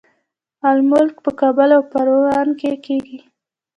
املوک په کابل او پروان کې کیږي.